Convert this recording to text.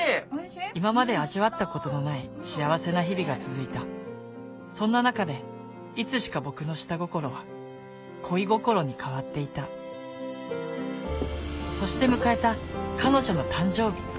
今まで味わったことのない幸せな日々が続いたそんな中でいつしか僕の下心は恋心に変わっていたそして迎えた彼女の誕生日